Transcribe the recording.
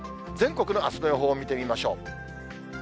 全国のあすの予報を見てみましょう。